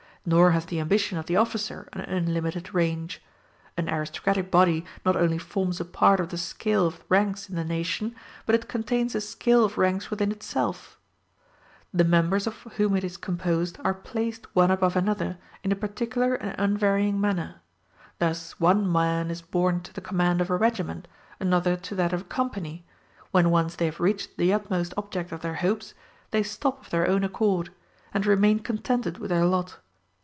Nor has the ambition of the officer an unlimited range. An aristocratic body not only forms a part of the scale of ranks in the nation, but it contains a scale of ranks within itself: the members of whom it is composed are placed one above another, in a particular and unvarying manner. Thus one man is born to the command of a regiment, another to that of a company; when once they have reached the utmost object of their hopes, they stop of their own accord, and remain contented with their lot.